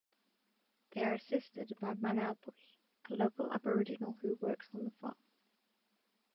They are assisted by Manalpuy, a local Aboriginal who works on the farm.